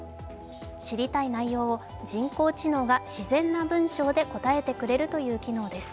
知りたい内容を人工知能が自然な文章で答えてくれるという機能です。